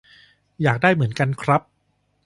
อยากได้เหมือนกันครับ